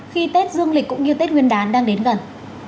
khi tết dương lịch cũng như tết nguyên đán đang đến gần